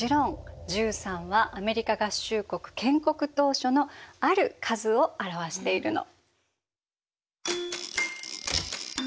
１３はアメリカ合衆国建国当初のある数を表しているの。